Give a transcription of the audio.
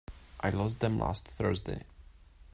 I lost them last Thursday.